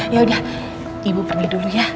yaudah ibu pergi dulu ya